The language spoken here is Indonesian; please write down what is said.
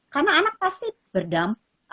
karena anak pasti berdampak